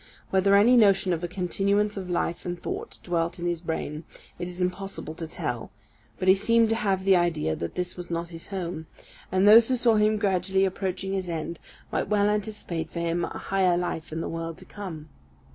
Whether any notion of a continuance of life and thought dwelt in his brain, it is impossible to tell; but he seemed to have the idea that this was not his home; and those who saw him gradually approaching his end, might well anticipate for him a higher life in the world to come.